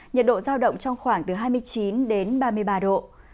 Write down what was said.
nhiệt độ giao động trong khoảng từ hai mươi chín đến ba mươi ba độ